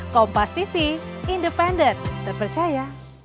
kompas tv independen terpercaya